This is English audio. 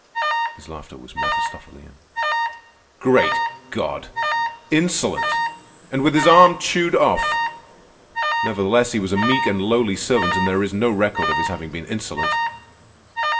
His laughter was Mephistophelian. "Great God! Insolent! And with his arm chewed off! Nevertheless he was a meek and lowly servant, and there is no record of his having been insolent."